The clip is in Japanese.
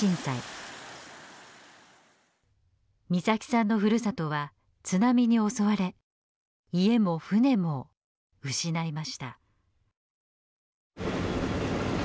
岬さんのふるさとは津波に襲われ家も船も失いました。